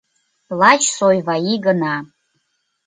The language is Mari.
Лач Сойваи гына.